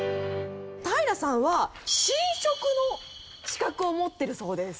平さんは神職の資格を持ってるそうです。